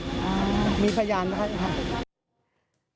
เพราะมันพยายามหลังไว้แต่แจ้งมันวางแถนแล้วค่ะมีพยานได้ค่ะ